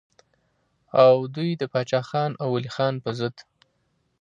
او دوي د باچا خان او ولي خان پۀ ضد